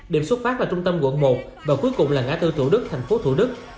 điểm xuất phát là trung tâm quận một và cuối cùng là ngã tư thủ đức thành phố thủ đức